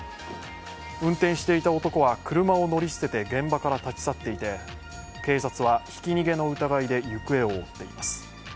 運転していた男は車を乗り捨てて現場から立ち去っていて警察は、ひき逃げの疑いで行方を追っています。